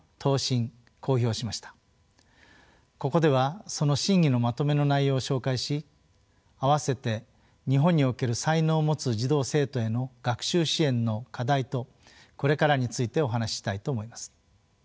ここではその審議のまとめの内容を紹介し併せて日本における才能を持つ児童生徒への学習支援の課題とこれからについてお話ししたいと思います。